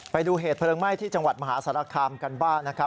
ไปดูเหตุเพลิงไหม้ที่จังหวัดมหาสารคามกันบ้างนะครับ